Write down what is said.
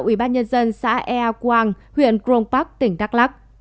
ủy ban nhân dân xã ea quang huyện crong park tỉnh đắk lắc